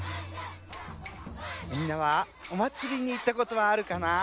みんなはおまつりにいったことはあるかな？